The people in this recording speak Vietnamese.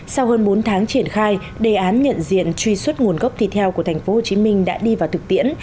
sau hơn bốn tháng triển khai đề án nhận diện truy xuất nguồn gốc thịt heo của tp hcm đã đi vào thực tiễn